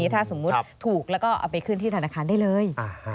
ถ้าสมมุติถูกแล้วก็เอาไปขึ้นที่ธนาคารได้เลย